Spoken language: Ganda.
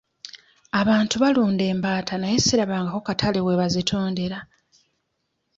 Abantu balunda embaata naye sirabangako katale we bazitundira.